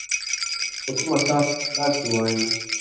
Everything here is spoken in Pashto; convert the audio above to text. په کوم اساس داسي وایې ؟